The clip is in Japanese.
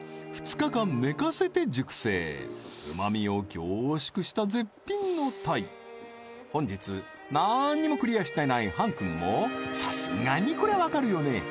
２日間寝かせて熟成うまみを凝縮した絶品のタイ本日なんにもクリアしてないＨＡＮ−ＫＵＮもさすがにこれはわかるよね？